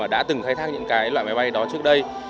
đã từng khai thác những loại máy bay đó trước đây